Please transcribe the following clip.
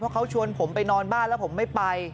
เพราะเขาชวนผมไปนอนบ้านแล้วผมไม่ไป